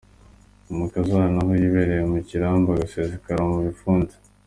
Umukazana aho yibereye mu kirambi agasekera mu bipfunsi.